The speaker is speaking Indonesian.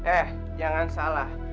eh jangan salah